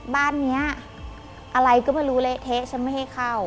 บ้านนี้อะไรก็ไม่รู้เละเทะฉันไม่ให้เข้า